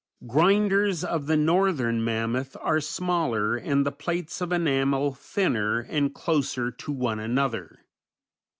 Grinders of the Northern Mammoth are smaller, and the plates of enamel thinner, and closer to one another.